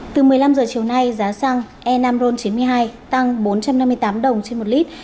từ một mươi năm h chiều nay giá xăng e năm ron chín mươi hai tăng bốn trăm năm mươi tám đồng trên một lít